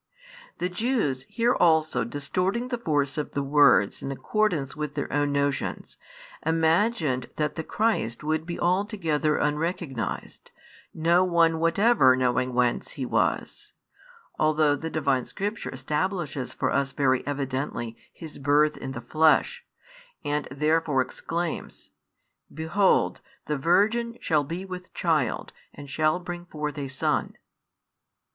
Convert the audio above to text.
The Jews, here also distorting the force of the words in accordance with their own notions, imagined that the Christ would be altogether unrecognised, no one whatever knowing whence He was: although the Divine Scriptures establishes for us very evidently His birth in the flesh, and therefore exclaims: Behold, the virgin shall be with child, and shall bring forth a Son.